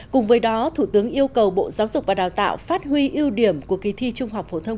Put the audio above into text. cùng với đó thủ tướng yêu cầu bộ giáo dục và đào tạo phát huy ưu điểm của kỳ thi trung học phổ thông